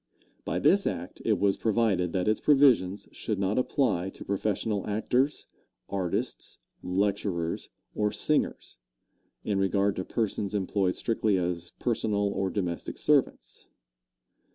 By this act it was provided that its provisions should not apply to professional actors, artists, lecturers or singers, in regard to persons employed strictly as personal or domestic servants.